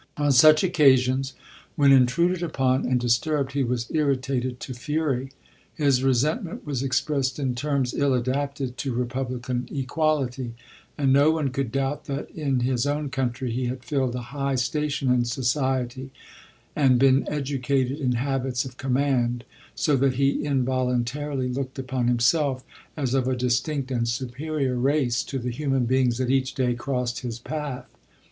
On such occasions, when intruded upon and dis turbed, he was irritated to fury. His resent ment was expressed in terms ill adapted to republican equality — and no one could doubt that in his own country he had filled a hiffh station in society, and been educated in habits of command, so that he involuntarily looked upon himself as of a distinct and superior race to the human beings that each day crossed his path.